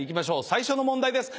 最初の問題です。